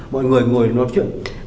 mọi người ngồi nói chuyện